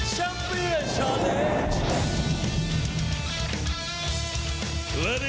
สวัสดีครับ